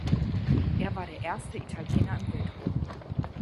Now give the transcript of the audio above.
Er war der erste Italiener im Weltraum.